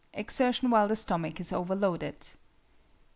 Exertion while the stomach is overloaded.